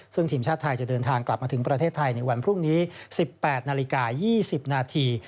ซึ่งทีมชาติไทยจะเดินทางกลับมาถึงประเทศไทยในวันพรุ่งนี้๑๘นาฬิกา๒๐นาที